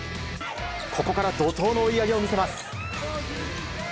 ここから怒涛の追い上げを見せます。